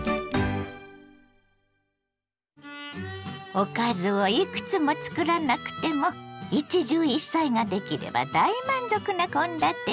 おかずをいくつもつくらなくても一汁一菜ができれば大満足な献立に。